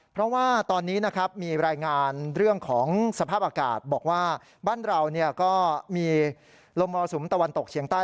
เพราะว่าตอนนี้นะครับมีรายงานเรื่องของสภาพอากาศบอกว่าบ้านเราก็มีลมมรสุมตะวันตกเชียงใต้